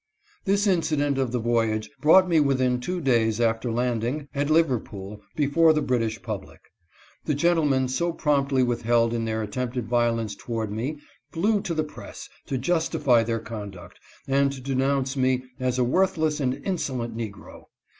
This incident of the voyage brought me within two days, after landing at Liverpool before the British public. The gentlemen so promptly withheld in their attempted violence toward me flew to the press to justify their con duct and to denounce me as a worthless and insolent negro.